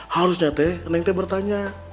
harusnya teh neng te bertanya